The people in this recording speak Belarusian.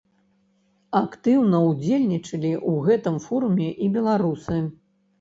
Актыўна ўдзельнічалі ў гэтым форуме і беларусы.